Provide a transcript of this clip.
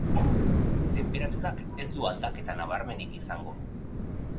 Tenperaturak ez du aldaketa nabarmenik izango.